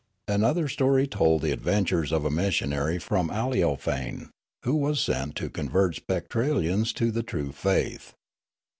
"Another story told the adventures of a missionary from Aleofane, who was sent to convert Spectralians to the true faith.